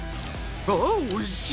ああおいしい。